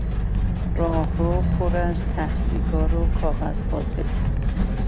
راهرو پر از ته سیگار و کاغذ باطله بود.